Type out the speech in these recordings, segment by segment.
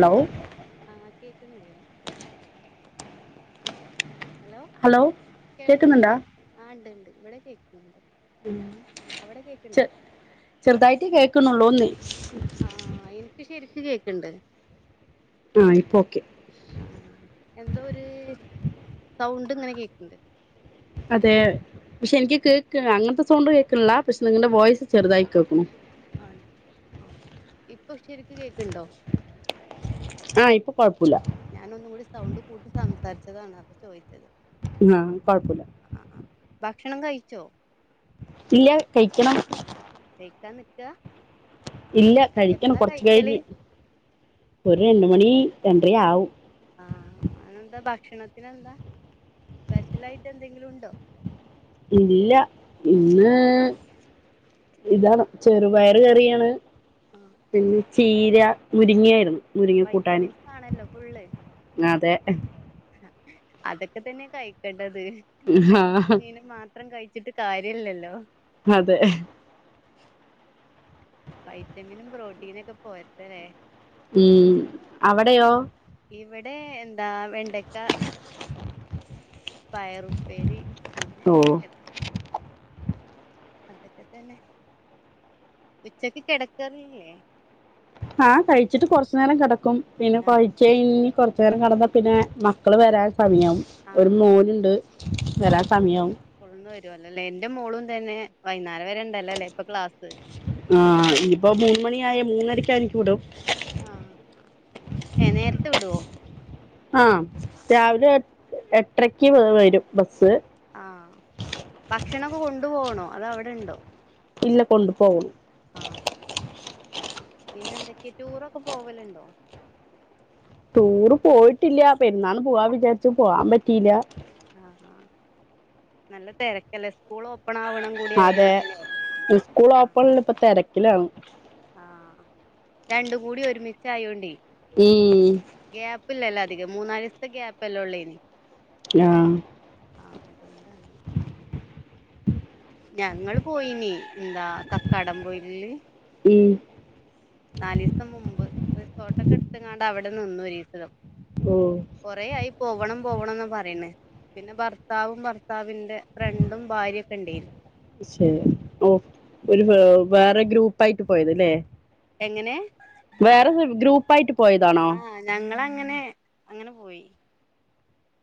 Hello ആഹ് കേക്കണില്ലേ? Hello കേക്കുന്നുണ്ടാ കേൾക്കണില്ലേ ആ ഉണ്ട്ണ്ട് ഇവിടെ കേക്കുന്നുണ്ട്. അവിടെ കേക്കണ്ടോ ചെറുതായിട്ടേ കേക്ക്ണുള്ളൂന്ന്. ആ എനിക്ക് ശരിക്ക് കേക്കണ്ട്. ആഹ് ഇപ്പൊ ഓക്കെ ആ എന്തോരു സൗണ്ട് ഇങ്ങനെ കേക്കണ്ട്. അതെ. പക്ഷെനിക്ക് കേക്ക അങ്ങനത്തെ സൗണ്ട് കേക്ക്ണില്ല പക്ഷെ നിങ്ങളുടെ വോയിസ് ചെറുതായി കേക്കുണു. ആ ഇപ്പൊ ശരിക്ക് കേക്കണ്ടോ? ആഹ് ഇപ്പ കുഴപ്പല്ല. ഞാനൊന്നുകൂടി സൗണ്ട് കൂട്ടി സംസാരിച്ചതാണ് അത ചോദിച്ചത്. ആ കൊഴപ്പല്ല. ആ ആ ഭക്ഷണം കഴിച്ചോ? ഇല്ല കഴിക്കണം. [unintelligible] ഇല്ല കഴിക്കണം എപ്പളാ കൊറച്ച് കഴിക്കല് കഴിഞ്ഞ് ഒരു രണ്ട് മണി രണ്ട്ര ആവും. ആഹ് അതെന്താ ഭക്ഷണത്തിനെന്ത? സ്പെഷ്യലായിട്ടന്തെങ്കിലും ഉണ്ടോ? ഇല്ല ഇന്ന്. ഇതാണ് ചെറുപയറ് കറിയാണ്. ആ പിന്നെ ചീര മുരിങ്ങയിരുന്നു. മുരിങ്ങ കൂട്ടാന് വൈറ്റമിൻസ് ആണല്ലോ ഫുള്ള് അതെ. അതൊക്കെതന്നെ കഴിക്കണ്ടത് എർച്ചിം ആഹ് മീനും മാ ത്രം കഴിച്ചിട്ട് കാര്യല്ലല്ലോ. അതെ. വൈറ്റമീനും പ്രൊട്ടീനൊക്കെ പോര്ട്ടലെ. മ് അവിടെയോ? ഇവിടെ എന്താ വെണ്ടക്ക. പയറുപ്പേരി അങ്ങനെ. ഓ അതൊക്കെതന്നെ ഉച്ചക്ക് കിടക്കാറില്ലേ? ആ കഴിച്ചിട്ട് കൊറച്ചു നേരം കിടക്കും പിന്നെ ആഹ് കുഴച്ചഴിഞ്ഞ് കൊറച്ചുനേരം കിടന്നാപിന്നെ മക്കള് വരാ സമയാവും ഒരു ആഹ് മോന്ണ്ട് വരാൻ അങ്ങനെ സമയാവും. സ്കൂൾന്ന് വരുവല്ലോല്ലേ എന്റെ മോളും തന്നെ വൈന്നേരം വരെണ്ടല്ലല്ലേ ഇപ്പൊ ക്ലാ ആ ഇപ്പൊ മൂന്ന് മണിയായ മൂന്നരക്കനിക്ക് വുടും. ആഹ് ഏഹ് നേരത്തെ വിടുവോ ആ രാവിലെ എട്ടരക്ക് വരും ബസ്. ആ ഭക്ഷണംക്കെ കൊണ്ടു പോണോ അതവിടെണ്ടോ? ഇല്ല കൊണ്ടു പോകും. ആ പിന്നെ എന്തൊക്കെ ടൂറൊക്കെ പോവലുണ്ടോ ടൂറ് പോയിട്ടില്ല അപ്പൊ എന്നാണ് പോവാ വിചാരിച്ചു പോവാൻ പറ്റിയില്ല ആ ആ നല്ല തിരക്കല്ലേ സ്കൂള് ഒ അതെ ആഹ് സ്കൂളാപ്പണ ഇപ്പൊ തിരക്കിലാണ് രണ്ടു കൂടി ഒരുമിച്ച് ആയോണ്ടേ ഈ ഉപ്പില്ലല്ലോ അധികം മൂന്നാ ദിവസത്തെ ഗ്യാപ്പ്ല്ലേ ഉള്ള ഇനി ആ ആ അതൊണ്ട [inaudible] ഞങ്ങള് പോയിന് എന്താ കക്കാടം പോയില് ഉം നാല് ദിവസം മുമ്പ് റിസോർട്ടൊക്കെ എടുത്ത്ങ്ങാണ്ട് അവിടെ നിന്നു ഒരിസം ഓഹ് കുറേ ആയി പോവണം പോവാണെന്നു പറയണ് പിന്നെ ഭർത്താവും ഭർത്താവിന്റെ ഫ്രണ്ടും ഭാര്യ ഒക്കെ ഉണ്ടേനു ശെ ഓ ഒരു വേറെ ഗ്രൂപ്പായിട്ട് പോയത്ലെ എങ്ങനെ വേറെ ഗ്രൂപ്പ് ആയിട്ട് പോയതാണോ അങ്ങനെ അങ്ങനെ പോയി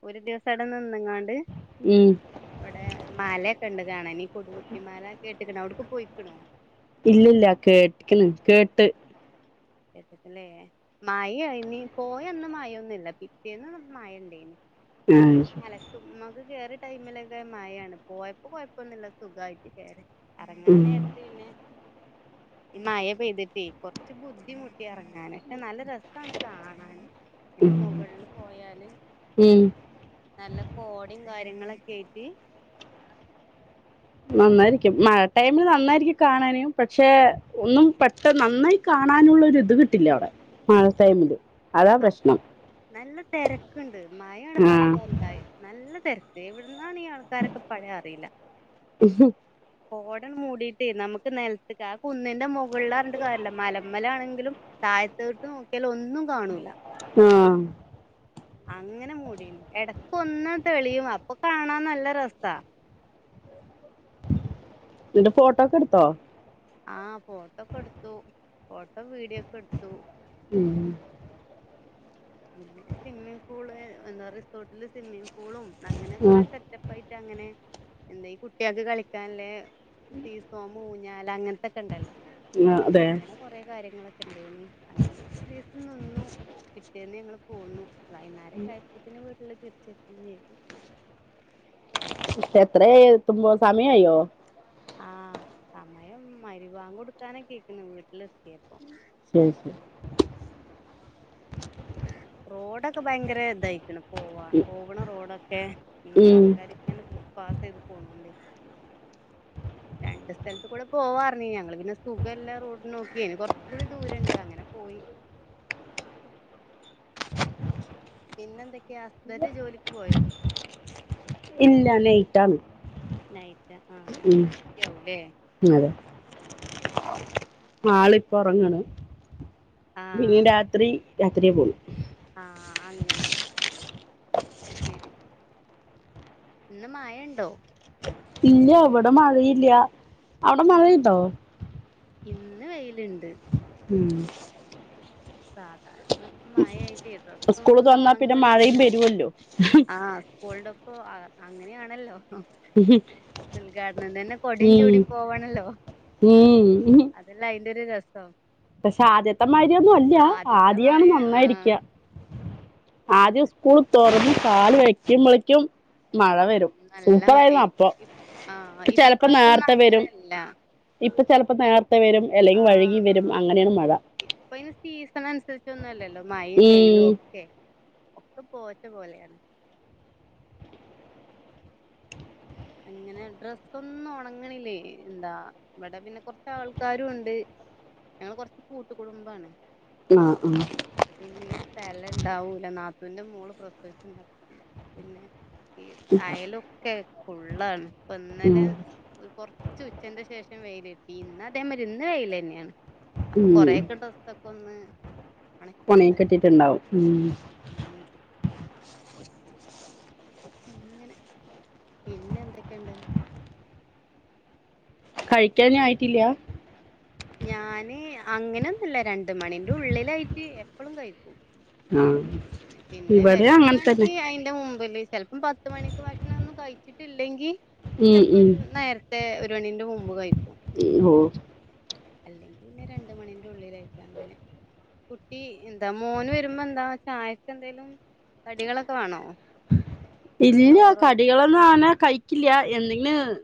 ഒരു ദിവസം ങ്ങണ്ട് ഉം അവിടെ മാല കണ്ട് കാണനി കൊടു കുത്തിമാല കേട്ട്ക്കണേ അവിടുക്ക് പോയിക്കണോ ഇല്ലല്ല കേട്ടക്ക കേട്ട് ചറ്റത്തില്ലേ മാഴായിനി പോയ അന്ന് മായൊന്നുല്ല പിറ്റേന്ന് മായ ഉണ്ടെന്നു ആഹ് ഞങ്ങള് ശരി അലക്കുന്നത് കേയറി ടൈമിലൊക്കെ മഴാണ് പോയപ്പോ കൊഴപ്പൊന്നുമില്ല സുഖമായിട്ട് കേയറി ഇറങ്ങാൻ ഉം നേരത്ത് പിന്നെ ഈ മായ പെയ്തിട്ടേ കൊറച്ച് ബുദ്ധി ബുദ്ധിമുട്ടിറങ്ങാൻ പക്ഷേ ന രസമാണ് കാണാൻ എൻറെ ഉം മുകളില് പോയാല് ഉം നല്ല കോടയും കാര്യങ്ങളൊക്കെ ആയിട്ട് കാണാ നന്നായിരിക്കും മഴ ടൈമില് നന്നായിരിക്കും കാണാനും പക്ഷെ ഒന്നും പെട്ട നന്നായി കാണാനുള്ള ഒരു ഇത് കിട്ടില്ല അവിടെ [inaudible] ആ പ്രശ്നം നല്ല തിരക്കുണ്ട് മഴാണ് ആഹ് പറഞ്ഞിട്ട് കാര്യമില്ല നല്ല തിരക്ക് ഇതെവിടുന്നാണ് ഈ ആൾക്കാരൊക്കെ പാടെ അറിയില്ല കോട മൂടിട്ടേ നമുക്ക് നിലത്തേക്ക് ആ കുന്നിൻന്റെ മുകളിഞ്ഞിട്ട് കാര്യല്ല മലമേലാണ് താഴത്തോട്ട് നോക്കിയാലും ഒന്നും കാണൂലാ ആ അങ്ങനെ മുടി ഇടക്ക് ഒന്ന് തെളിയും അപ്പൊ കാണാൻ നല്ല രസാ ഇന്റെ ഫോട്ടോക്കെ എടുത്തോ ആ ഫോട്ടോക്കെ എടുത്തു ഫോട്ടോ വീഡിയോക്കെ എടുത്തു ഉം പിന്നെ സ്വിമ്മിംഗ് പൂള് എന്താ റിസോർട്ടില് സ്വിമ്മിംഗ് പൂളും അങ്ങനെ കുറെ ആഹ് സെറ്റപ്പ് ആയിട്ട് അങ്ങനെ എന്താ ഈ കുട്ടികൾക്ക് കളിക്കാനല്ലേ സീസോമ് ഊഞ്ഞാല അങ്ങനത്തൊക്കെ ഉണ്ടല്ലോ ആഹ് അതെ ഇങ്ങനെ കൊറെ കാര്യങ്ങളൊക്കെ ഇണ്ടനി അങ്ങനെന്നു ന്ന് ഞങ്ങള് പോന്നു വൈകുന്നേരം ആയപ്പോഴത്തെന് വീട്ടിലെത്തി [inaudible] എത്രയ തുമ്പോ സമയം അയ്യോ ആഹ് സമയം മഖ്-രിബ് വാങ്ക് കൊടുക്കാനൊക്കായിരിക്ക്ണു വീട്ടിലെത്തിയപ്പൊ ശെരി ശെരി റോഡൊക്കെ ഭയങ്കര ഇതായിരിക്കണ് പോവാൻ പോവണ റോഡൊക്കെ ഏഹ് ഈ ഉം ആൾക്കാരിങ്ങനെ പാസ്സെയ്ത് പോണോണ്ടേ രണ്ട് സ്ഥലത്ത്ക്കൂടെ പോവാർന്ന് ഞങ്ങള് പിന്നെ സ്കൂൾക്ക് എല്ലാ റോഡും നോക്കിന് കൊറച്ച് കൂടി ദൂരണ്ട് അങ്ങനെ പോയി [inaudible] പിന്നെ എന്തൊക്കെയാ ഹസ്ബന്റ് ജോലിക്ക് പോയോ ഇല്ല നെയ്റ്റാന്ന് നൈറ്റ് ആഹ് നൈറ്റാവുംല്ലേ ആഹ് ആളിപ്പൊറങ്ങണ് ആഹ് പിന്നെ രാത്രി രാത്രിയാ പോണ് ആഹ് അങ്ങനെ അത് ശെരി ഇന്ന് മയയുണ്ടോ ഇല്ല ഇവിടെ മഴയില്ല അവിടെ മഴയ്ണ്ടോ? ഇന്ന് വെയില്ണ്ട് ഉം സാധാരണ ഇപ്പമഴയായി ട്ടെ സ്കൂള് ഡ്രെസ്സൊന്നും തുറന്നാ പിന്നെ ഉണങ്ങണില്ല മഴയും വരുവല്ലോ ആ സ്കൂൾടെപ്പൊ അങ്ങനെയാണല്ലോ ഉൽഘാടനം തന്നെ കൊടയും ഉം ചൂടി പോവാണല്ലോ ഉം ഹ്മ് ഒത്തിരി രസാ പക്ഷെ ആദ്യത്തെ മാരിയൊന്നു അല്ല ആദ്യാണ് മഴ ആഹ് നന്നായിരിക്ക ആദ്യം സ്കൂള് തൊറന്ന് കാല് വെക്കുമ്പളിക്കും നല്ല മഴയായിരിക്കും ആഹ് ഇപ്പൊ ചെലപ്പോ ഇപ്രാസൊന്നും നേരത്തെ വരും അങ്ങനെയല്ല ഇപ്പൊ ചെലപ്പോ നേർത്തെ വരും അല്ലെങ്കിൽ വഴുകി വരും അങ്ങനെയാണ് മഴ ഇപ്പൊ അയിന് സീസണനുസരിച്ചൊന്നു അല്ലല്ലോ മാഴയും ഉം വെയിലുഒക്കെ ഒക്കെ പോച്ച പോലെയാണ് അങ്ങനെ ഡ്രസ്സൊന്നും ഒണങ്ങണില്ലേ എന്താ ഇവിടെ പിന്നെ കൊറച്ചാൾക്കാരുണ്ട് ഞങ്ങള് കൊറച്ച് കൂട്ടുകുടുംബാണ് ആ ആ പിന്നെ ഈ സ്ഥലണ്ടാവൂല നാ ത്തൂന്റെ മോള് പ്രസവിച്ചുവന്ന് കിടക്ക്ണ്ട് പിന്നെ ഈ അയലൊക്കെ ഫുള്ളാണ് ഉം ഇപ്പിന്നലെ കൊറ ച്ചുച്ചന്റെ ശേഷം വെയില്കിട്ടി ഇന്നതേമാതിരി ഇന്ന് വെയിലെന്നെയാണ് അപ്പൊ ഉം. കൊറയൊക്കെ ഡ്രസ്സൊക്കൊന്ന് പുണയെ ഒണക്കിയെടുത്തക്കണം കെട്ടിട്ടുണ്ടാവും ഉം ഒണങ്ങിക്കിട്ടി അങ്ങനെ പിന്നെന്തൊക്കെയുണ്ട് കഴിക്കാനായിട്ടില്ല ഞാന് അങ്ങനൊന്നുല്ല രണ്ട്മണിന്റുള്ളിലായിട്ട് എപ്പളും കഴിക്കും ആ പിന്നെ ഇവിടെ അങ്ങനെ തന്നെ വെഷക്ക്ആണെങ്കി അയിന്റെ മു മ്പില് ചെലപ്പം പത്ത് മണിക്ക് ഭക്ഷണൊന്നും കഴിച്ചിട്ടില്ലെങ്കി ഉം ഉം. ചലപ്പൊരു നേരത്തെ ഒരു മണിന്റെ മുമ്പ് കഴിക്കും ഹ്മ് ഓഹ് അല്ലെങ്കി പിന്നെ രണ്ട്മണിന്റുള്ളിലായിട്ടങ്ങനെ കുട്ടി എന്താ മോന് വരുമ്പെന്താ ചായക്കെന്തേലും കടികളൊക്കെ വേണോ അതോ ഇല്ല ചോറോ എന്തെങ്കിലും? കടികളൊന്നും അങ്ങനെ കഴിക്കില്ല എന്തെങ്കിലും ന്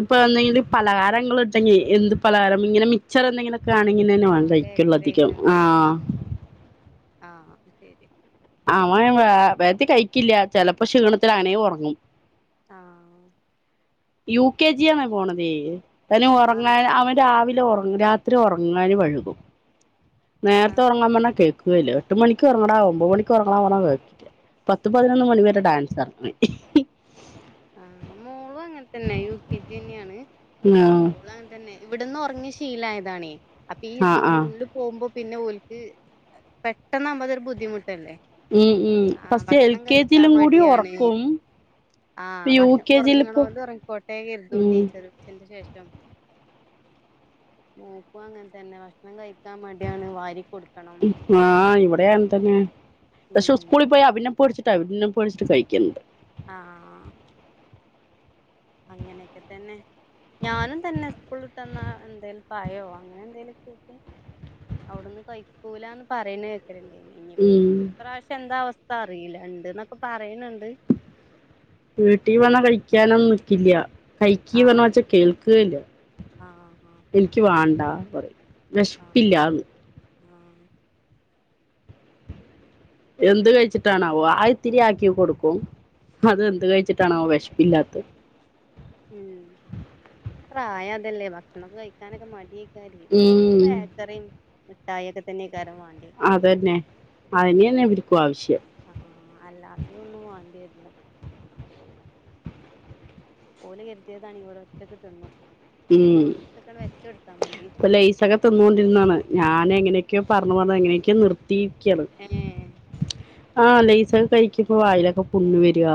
ഇപ്പൊ എന്തെങ്കിലും പലഹാരങ്ങള്ണ്ടെങ്കി എന്ത് പലഹാരം ഇങ്ങനെ മിച്ചറെന്തെങ്കിലൊക്കെ കാണെങ്കിന്നെന്നെ ആ വാണം ബേക്കറി കയിക്കൊള്ളധികം ആഹ് ആഹ് അത്ശെരി അവൻ വേ വേകത്തി കഴിക്കില്ല ചെലപ്പോ ക്ഷീണത്തി അങ്ങനെ ഒറങ്ങും ആഹ് യു കെ ജി ആന്ന പോണതേ തന്നെ ആ ഉറങ്ങാൻ അവൻ രാവിലെ രാത്രി ഉറങ്ങാൻ വഴുകും ആ നേരത്തെ ഉറങ്ങാൻ പറഞ്ഞാൽ കേൾക്കും കയില്ല എട്ട് മണിക്ക്റങ്ങടാ ഒമ്പത് മണിക്ക്റങ്ങാ പറഞ്ഞാ കേക്കട്ടില്ല പത്ത്ു പതിനൊന്ന് മണി വരെ ഡാൻസ ആഹ മോളും അങ്ങനെ തന്നെ യ കെ ജി തന്നെയാണ് എന്താ ആഹ് മോളും അങ്ങനെ തന്നെ ഇവിടുന്ന് ഉറങ്ങിയ ശീലായതാണേ അപ്പൊ ഈ ആഹ് ആഹ് സ്കൂളിൽ പോകുമ്പോ പിന്നെ ഓലക്ക് പെട്ടെന്ന് നമ്മതൊരു ബുദ്ധിമുട്ട് ഉം ഉം പക്ഷ എൽ കെ ജിയിലും കൂടി ഉറക്കും ഇപ്പ ആഹ് യു ഭക്ഷെ കെ ജിയില് ഇപ്പോ ഉറങ്ങണണ്ട് ഉറങ്ങിക്കോട്ടെ കരുത ഉം ടീച്ചർച്ചന്റെ ശേഷം മോക്കവാ അങ്ങനെ തന്നെ ഭക്ഷണം കഴിക്ക ആഹ് ഇവിടെയൻ തന്നെ പക്ഷെ ഉം സ്കൂളിൽ പോയാ പിന്നെ പൊടിച്ചിട്ട് അവ പൊിച്ചിട്ട്ഴിക്കണ്ട് ആഹ അങ്ങനെയൊക്കെ തന്നെ ഞാനും തന്നെ സ്കൂള് വിട്ടന്ന എന്തേലും പയോ അങ്ങനെ എന്തേലും ച അവിടന്ന് കഴിക്കൂലന്ന് പറയുന്ന കേക്കലുണ്ട് ഉം ഇപ്രാവശ്യം എന്താ അവസ്ഥ ഇ അറിയില്ല ഇണ്ട് എന്നൊക്കെ പറയണണ്ട് വീട്ടിൽ വന്നാ കഴിക്കാനൊന്നും നിക്കില്ല കഴക്ക്ി ആ പറ ഞ്ഞവച്ച കേൾക്ക്കേയില്ല ആ എനിക്ക് വേണ്ട പറ ും ആ ആ വിശപ്പില്ലന്ന് ആ എന്ത് കഴിച്ചിട്ടാണാവോ ആ ഇത്തിരിയാക്കി കൊടുക്കും ഉം അത്െന്ത് കഴിച്ചിട്ടാണാവോ വിഷ ഇല്ലാത്ത ഉം പ്രായം അതല്ലേ ഭക്ഷണമക്കെ കഴിക്കാനൊക്കെ മടിയ ഉം ബാക്കറിയയും മിട്ടായൊക്കെ തന്നെ അതന്നെ അ ആഹ അല്ലാത്തതൊന്നും വാണ്ടിരില്ല ഓല് കരുതിയതാണ ങ്കി ഒര ഒറ്റക്ക് തിന്നുടുത്ത് ക്കാണ്ട് വെച്ചെടുത്താം അപ്പ ലേ സഖ തിന്നുകൊണ്ടിരുന്നാണ് ഞൻ എങ്ങനൊക്കെയോ പറഞ്ഞു പറഞ്ഞു എങ്ങനെയൊെയോ നിർ ഏ ആഹ് ലേസൊക്കെ കഴിക്കുമ്പ വായിലൊക്കെ പുണ്ണ് വരിക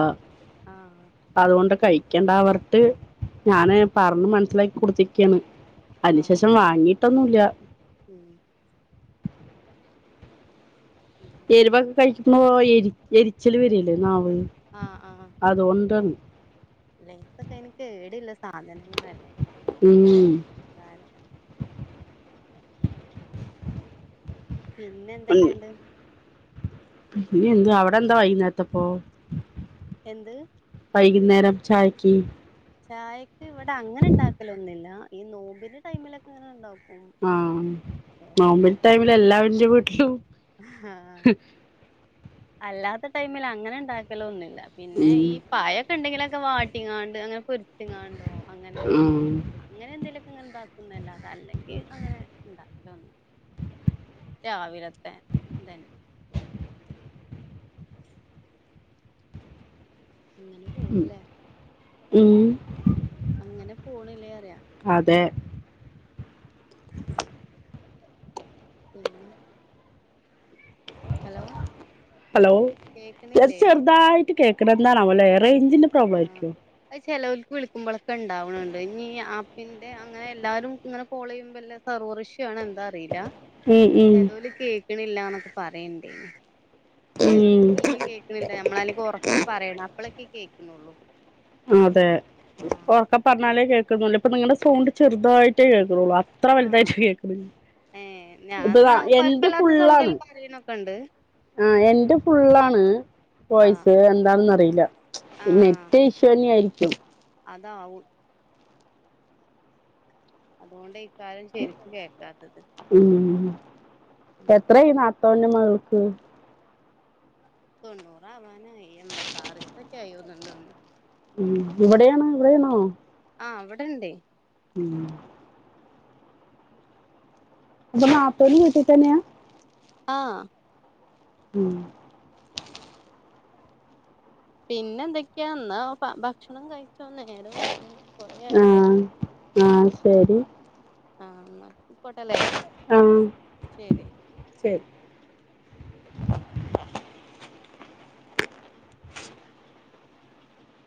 ആഹ് അതുകൊണ്ട് കഴിക്ക ണ്ട പാണ് ട്ട് ഞാന് പറഞ്ഞ് മനസ്സിലാക്കി കൊടുത്തിരിക്കയാണ് അതി ന് ആഹ് ശേഷം വാങ്ങിട്ട് പിട്ടൊന്നില്ല ഉം ഉം എരിവക്കെ കഴിക്കുമ്പോ എ എരിച്ചല് വരില്ലേ പോയി അതൊണ്ടാണ് ലേസ ഒക്കെ എനിക്ക് കേഏടല്ല സാധനങ്ങളല്ലേ ഉം ന്താരം പിന്നെ എന്തൊക്കെയുണ്ട് പിന്നെ എന്ത് അവിടെ എന്താ വൈകുന്നേത്തപ്പോ എന്ത് വൈകുന്നേരം ചായക്ക് ചായക്ക് ഇവിടെ അങ്ങനെ ഉണ്ടാക്കലൊന്നുമില്ല ഈ നോബിന്റെ ടൈമിലൊക്കെ അങ്ങനെ ഉണ്ടാക്കും ആഹ നോമ്പിൽ ടൈമിൽ എല്ലാവറെ വീട്ടിലും ആഹ അല്ലാത്ത ടൈമിൽ അങ്ങനെ ഉണ്ടാക്കല ഒന്നുല്ല പിന്നെ ഉം ഈ പായൊക്കെ ഉണ്ടെങ്കിലൊക്കെ വാട്ടിങ്ങാണ്ട് അങ്ങനെ പൊരിച്ച്ങ്ങാണ്ടോ അങ്ങനെ ഉം അങ്ങനെ എന്തേലുമൊക്കെ ഇങ്ങെ ഉണ്ടാക്കുന്നല്ല അത അല്ലെങ്കിൽ അങ്ങനെ ഇണ്ടാക്കണന്ന രാവിലത്തെതന്നെ ഇങ്ങനെ പോണല്ലേ ഉം അങ്ങനെ പോണില്ലേ റയ. അതെ പിന്നെ ഹലോ ഹലോ കേക്ക്ണില്ലേ ചെറുതായിട്ട് കേക്ക് ണെന്താവലെ? റേഞ്ചിന്റെ പ്രോബ്ം ആഹ് ആയിരിക്കോ? അത് ചെലോൽക്ക് വിളിക്കുമ്പോഴൊക്കെ ഇണ്ടാവണണ്ട് ഇനിഈ ആപ്പിന്റെ അങ്ങനെ എല്ലാവരും ഇങ്ങനെ കോൾ ചെയ്യുമ്പോല്ല സർവ [unintelligible] ആണ എന്താ അറിയില്ല ഉം ഉം ചെലോല് കേക്കണില്ലന്നൊക്കെ പറയിണ്ടേനി. ഉം ചെലോൽക്ക് തീരയും കേക്കുന്നില്ല നമ്മളനി ഒക്കെ പറയണം അപ്പഴൊക്കെ കേൾക്കുന്നുള്ളു. അതെ ഉറക്കെ അല്ല പറഞ്ഞാലേ കേൾക്കുന്നുല്ല ഇപ്പൊ നിങ്ങളടെ സൗണ്ട് ചെറുതായിട്ടേ കേൾക്കുന്നുള്ളൂ. എത്ര ആഹ് വലുതായിട്ട് കേക്കുന്നു ഏഹ് ഇപ്പത എന്റെ ഫുള്ളാണ്. ഒക്ക ഉണ്ട് ആഹ എന്റെ ഫുള്ളാണ് ആഹ് വോയിസ് എന്താണെന്ന്റിയില്ല. നെറ്റ് ഇഷ്യു നെ ആയി അതാ ആവും അതുകൊണ്ടെയ്ക്കാരും ശരിക്ക് കേക്കാത്തത്. ഉം എത്രായി നാത്തൂന്റെ മകൾക്ക്? തൊണ്ണൂറ ആവാനായി എൺമ്പത്താറി സൊ കെ ആയി തോന്ന്ണ്ട്. ഉ ഇവിടെയാണോ ഇവിടെയാണോ? ആഹ ഇവിടെണ്ടേ. ഉം [unintelligible] തന്നെയ. ആഹ ഉം പിന്നെ എന്തൊക്കെയാ എന്നാ ഭക്ഷണം കഴിച്ചോ നേരം വൈകി കൊറേ ആയില്ലേ? ആഹ ശരി ആഹ എന്ന പോട്ടല്ലേ ആഹ് ശരി. ശരി